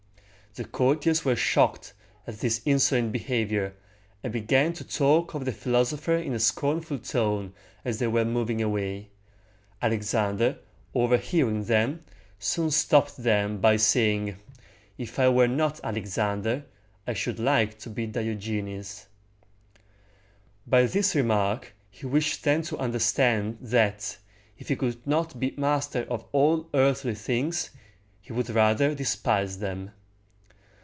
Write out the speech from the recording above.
The courtiers were shocked at this insolent behavior, and began to talk of the philosopher in a scornful tone as they were moving away. Alexander, overhearing them, soon stopped them by saying, "If I were not Alexander, I should like to be Diogenes." By this remark he wished them to understand, that, if he could not be master of all earthly things, he would rather despise them.